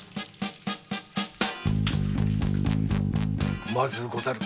〔まずうござる。